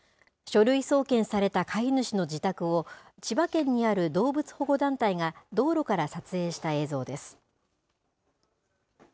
書類送検された飼い主の自宅を、千葉県にある動物保護団体が道路から撮影した映像です。